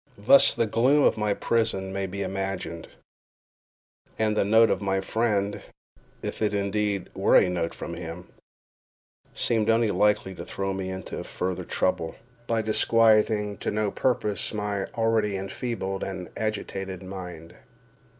Thus the gloom of my prison may be imagined, and the note of my friend, if indeed it were a note from him, seemed only likely to throw me into further trouble, by disquieting to no purpose my already enfeebled and agitated mind.